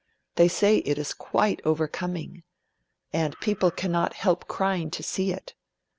They say it is quite overcoming and people cannot help crying to see it.